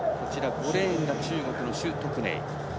５レーンが中国の朱徳寧。